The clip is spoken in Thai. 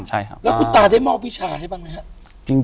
แล้วคุณตาได้มอบพิชาให้บ้างไหมฮะ